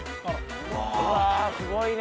うわぁすごいね。